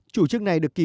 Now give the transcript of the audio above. chủ chức này được ký bản